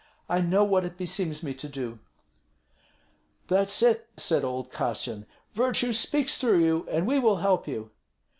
I know what it beseems me to do." "That's it!" said old Kassyan. "Virtue speaks through you, and we will help you."